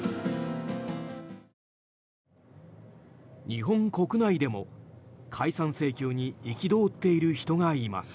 日本国内でも解散請求に憤っている人がいます。